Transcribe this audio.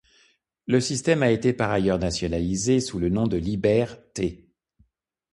Le système a été par ailleurs nationalisé sous le nom de Liber-t.